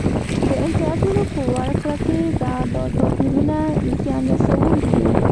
د امتیازونو په ورکړه کې دا ډول توپیرونه زیان رسونکي وو